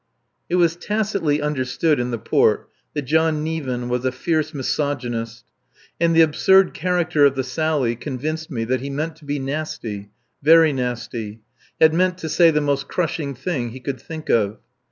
It was tacitly understood in the port that John Nieven was a fierce misogynist; and the absurd character of the sally convinced me that he meant to be nasty very nasty had meant to say the most crushing thing he could think of.